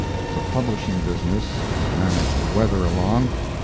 The publishing business had managed to weather along.